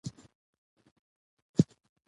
د افغانستان پاکه هوا له پابندي غرونو څخه ډکه ده.